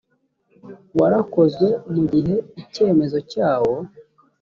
warakozwe mu gihe icyemezo cyawo